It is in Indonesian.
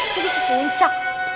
jadi ke puncak